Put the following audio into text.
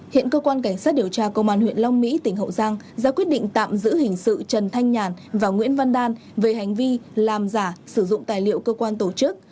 hiện cơ quan cảnh sát điều tra công an huyện long mỹ tỉnh hậu giang ra quyết định tạm giữ hình sự trần thanh nhàn và nguyễn văn đan về hành vi làm giả sử dụng tài liệu cơ quan tổ chức